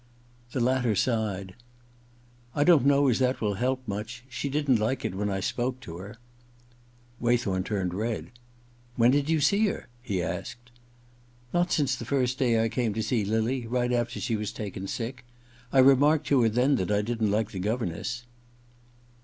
The latter sighed. * I don t know as that will help much. She didn't like it when I spoke to her.' 62 IV THE OTHER TWO 63 Waythorn turned red. • When did you see her ?' he asked. * Not since the first day I came to see lily — right after she was taken sick. I remarked to her then that I didn't like the governess.'